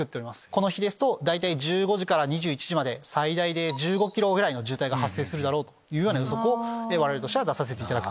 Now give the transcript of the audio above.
この日ですと大体１５時から２１時まで最大で１５ｋｍぐらいの渋滞が発生するだろうと予測を我々としては出させていただく。